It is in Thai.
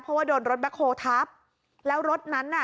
เพราะว่าโดนรถแบ็คโฮลทับแล้วรถนั้นน่ะ